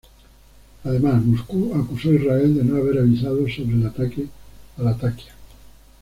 Además Moscú acuso a Israel de no haber avisado sobre el ataque a Latakia.